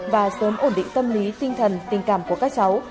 và sớm ổn định tâm lý tinh thần tình cảm của các cháu